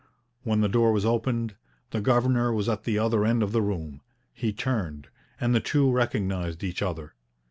When the door was opened, the governor was at the other end of the room. He turned, and the two recognized each other.